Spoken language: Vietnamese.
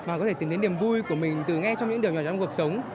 và có thể tìm đến niềm vui của mình từ nghe trong những điều nhỏ trong cuộc sống